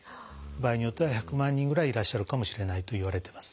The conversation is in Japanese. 場合によっては１００万人ぐらいいらっしゃるかもしれないといわれてます。